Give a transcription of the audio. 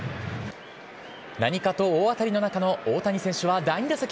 何かと大当たりの中の大谷選手は第２打席。